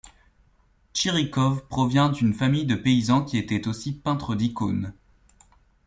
Tchirikov provient d'une famille de paysans qui étaient aussi peintres d'icônes.